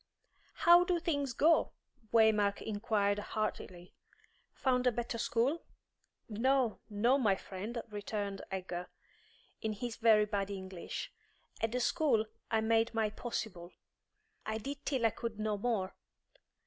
"How do things go?" Waymark inquired heartily. "Found a better school?" "No, no, my friend," returned Egger, in his very bad English. "At the school I made my possible; I did till I could no more.